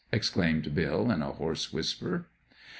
exclaimed Bill, in a hoarse whisper.